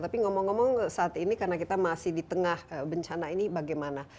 tapi ngomong ngomong saat ini karena kita masih di tengah bencana ini bagaimana